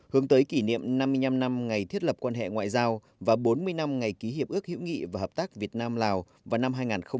hướng tới kỷ niệm năm mươi năm năm ngày thiết lập quan hệ ngoại giao và bốn mươi năm ngày ký hiệp ước hữu nghị và hợp tác việt nam lào vào năm hai nghìn hai mươi